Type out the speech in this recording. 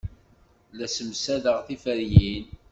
La ssemsadeɣ tiferyin.